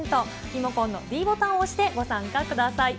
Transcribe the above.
リモコンのｄボタンを押してご参加ください。